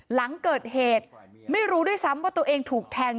หลังเกิดเหตุไม่รู้ด้วยซ้ำว่าตัวเองถูกแทง